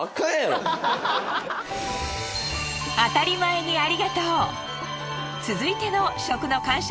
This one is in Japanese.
あたりまえにありがとう！